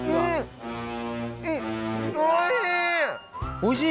おいしい？